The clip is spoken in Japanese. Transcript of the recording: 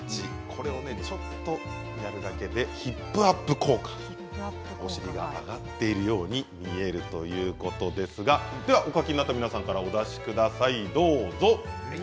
これをちょっとやるだけでヒップアップ効果お尻が上がっているように見えるということですがお出しください、どうぞ。